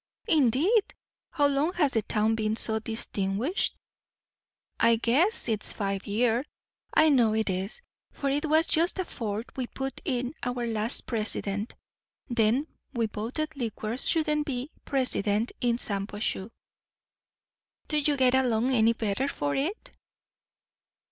"Indeed! How long has the town been so distinguished?" "I guess it's five year. I know it is; for it was just afore we put in our last President. Then we voted liquor shouldn't be president in Shampuashuh." "Do you get along any better for it?"